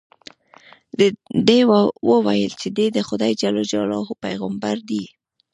ده وویل چې دې د خدای جل جلاله پیغمبر دی.